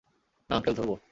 না আঙ্কেল, ধরব।